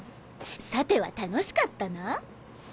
さては楽しかったな？